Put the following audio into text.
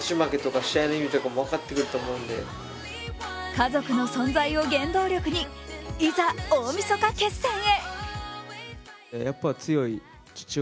家族の存在を原動力にいざ、大みそか決戦へ！